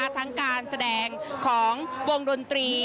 ทั้งการแสดงของวงดนตรี